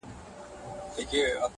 پوليس د کور ځيني وسايل له ځان سره وړي,